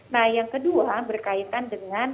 nah yang kedua berkaitan dengan